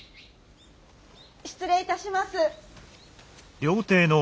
・失礼いたします。